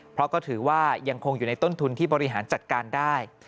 เพราะก็ถือว่ายังคงอยู่ในต้นทุนที่บริหารจัดการได้